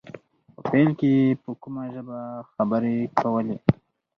په پيل کې يې په کومه ژبه خبرې کولې.